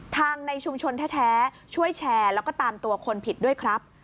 ในชุมชนแท้ช่วยแชร์แล้วก็ตามตัวคนผิดด้วยครับ